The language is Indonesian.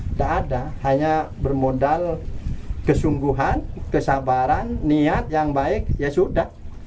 tidak ada hanya bermodal kesungguhan kesabaran niat yang baik ya sudah